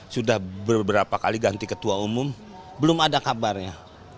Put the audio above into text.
sudah beberapa kali ganti ketua umum belum ada kabarnya